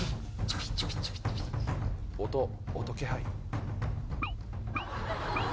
音音気配。